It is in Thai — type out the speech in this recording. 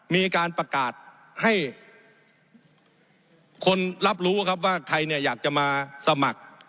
มีการประกาศให้คนรับรู้ครับว่าใครเนี่ยอยากจะมาสมัคร